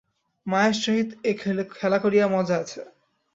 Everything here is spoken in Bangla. মায়ের সহিত এ খেলা করিয়া মজা আছে।